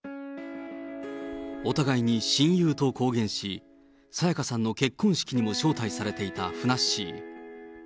お互いに親友と公言し、沙也加さんの結婚式にも招待されていたふなっしー。